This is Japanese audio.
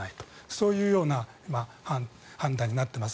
そういうような判断に今、なっています。